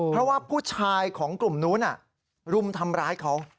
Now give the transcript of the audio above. เพราะว่าผู้ชายของกลุ่มนู้นรุมทำร้ายเขา